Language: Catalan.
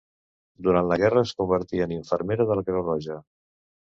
Durant la Guerra es convertí en infermera de la Creu Roja.